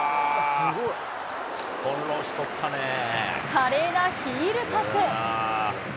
華麗なヒールパス。